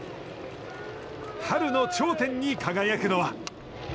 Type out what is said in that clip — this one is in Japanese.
春の頂点に輝くのは。